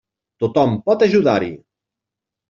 Tothom pot ajudar-hi!